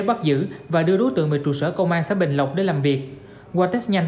bắt giữ và đưa đối tượng về trụ sở công an xã bình lộc để làm việc qua test nhanh